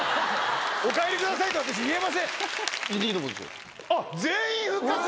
お帰りくださいと私、言えません。